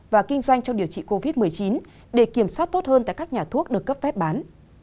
và kinh doanh trong điều trị covid một mươi chín để kiểm soát tốt hơn tại các nhà thuốc được cấp phép bán